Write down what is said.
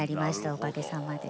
おかげさまで。